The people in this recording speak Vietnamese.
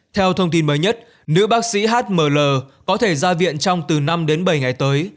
theo thông tin mới nhất nữ bác sĩ hmll có thể ra viện trong từ năm đến bảy ngày tới